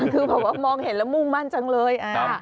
คือแบบว่ามองเห็นแล้วมุ่งมั่นจังเลย